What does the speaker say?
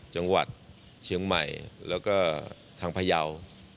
จังหวัดเชียงใหม่แล้วก็ทางพยาว